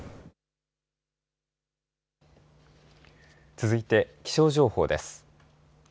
続いて気象情報です。